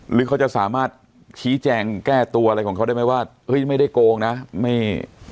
หรือเขาจะสามารถชี้แจงแก้ตัวอะไรของเขาได้ไหมว่าเฮ้ยไม่ได้โกงนะไม่